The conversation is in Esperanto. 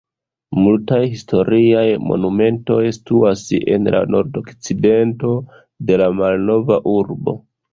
Multaj historiaj monumentoj situas en la nordokcidento de la malnova urbo.